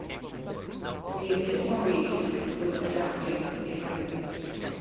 We need six more weeks to conclude the drafting of the agreement.